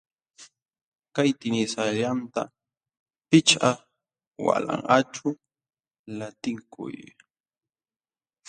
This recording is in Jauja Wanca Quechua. Kay tinisallanta pichqa walanqaćhu lantikuy.